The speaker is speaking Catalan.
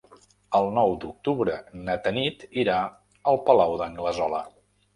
El nou d'octubre na Tanit irà al Palau d'Anglesola.